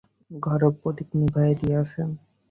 ঘরের প্রদীপ নিভাইয়া দিয়াছেন।